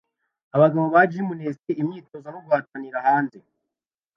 Abagabo ba gymnast imyitozo no guhatanira hanze